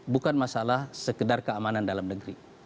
bukan masalah sekedar keamanan dalam negeri